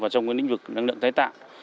trong lĩnh vực năng lượng thái tạng